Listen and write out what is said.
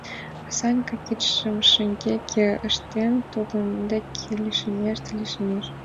А Санька, кидшым шеҥгеке ыштен тудын деке лишемеш да лишемеш.